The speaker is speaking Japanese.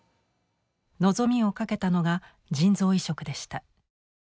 望みをかけたのが腎臓移植でした。